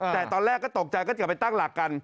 แต่ตอนแรกก็ตกใจก็เดี๋ยวไปตั้งหลักกัน